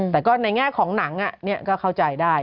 แต่ในแง่ของหนังเนี่ยก็เข้าใจได้